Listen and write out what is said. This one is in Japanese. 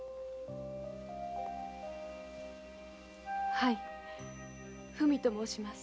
はいふみと申します。